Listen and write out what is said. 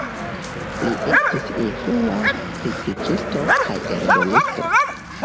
Li estis influa kritikisto kaj eldonisto.